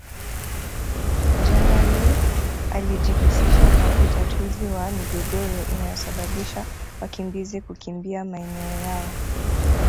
January alijihusisha na utatuzi wa migogoro inayosabababisha wakimbizi kukimbia maeneo yao